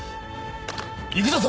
行くぞ透！